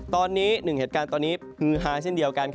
ตอนนี้หนึ่งเหตุการณ์ตอนนี้ฮือฮาเช่นเดียวกัน